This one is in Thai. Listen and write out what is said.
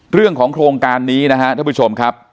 เรื่องของโครงการนี้นะฮะท่านผู้ชมครับ